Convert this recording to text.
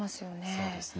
そうですね。